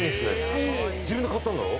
自分で買ったんだろ。